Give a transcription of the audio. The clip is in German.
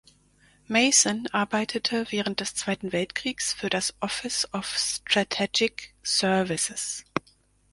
Mason arbeitete während des Zweiten Weltkriegs für das Office of Strategic Services.